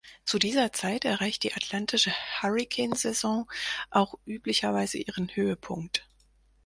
Zu dieser Zeit erreicht die atlantische Hurrikan-Saison auch üblicherweise ihren Höhepunkt.